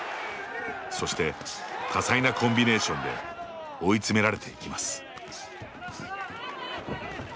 そして、多彩なコンビネーションで追い詰められていきます。